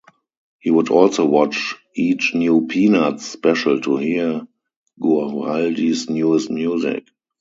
He would also watch each new "Peanuts" special to hear Guaraldi's newest music.